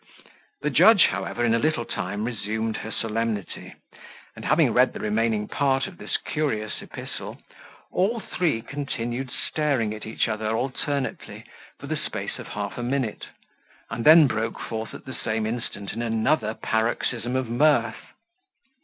The judge, however, in a little time, resumed her solemnity, and having read the remaining part of this curious epistle, all three continued staring at each other alternately for the space of half a minute, and then broke forth at the same instant in another paroxysm of mirth.